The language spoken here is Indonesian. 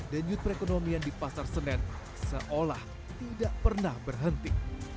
dan yut perekonomian di pasar senen seolah tidak pernah berhenti